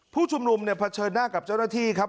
ผู้ชุมนุมเนี่ยเผชิญหน้ากับเจ้าหน้าที่ครับ